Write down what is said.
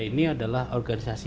ini adalah organisasi